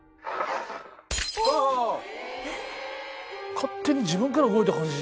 勝手に自分から動いた感じ。